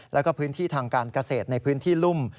แล้วก็พื้นที่ทางการเกษตรในพื้นที่รุ่ม